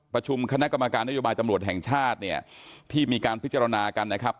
ประชุมคณะกรรมการนโยบายตำรวจแห่งชาติเนี่ยที่มีการพิจารณากันนะครับ